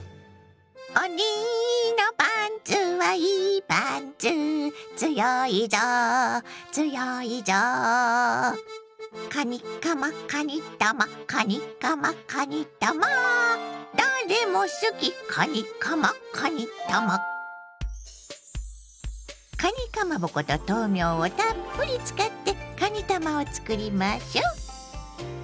おにのパンツはいいパンツつよいぞつよいぞカニカマかにたまカニカマかにたま誰も好きカニカマかにたまかにかまぼこと豆苗をたっぷり使ってかにたまをつくりましょう。